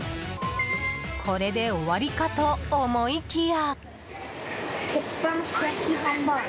これで終わりかと思いきや。